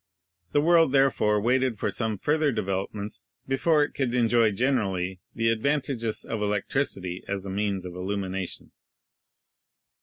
The world therefore waited for some further development before it could enjoy gen ELECTRO MAGNETIC MACHINERY 193 erally the advantages of electricity as a means of illumina tion.